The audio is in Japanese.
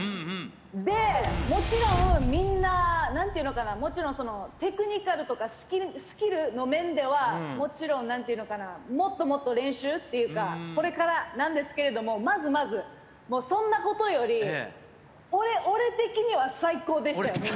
で、もちろん、みんな、なんていうのかな、もちろんそのテクニカルとか、スキルの面では、もちろんなんていうのかな、もっともっと練習っていうか、これからなんですけれども、まずまず、もうそんなことより、俺的には最高でしたよ。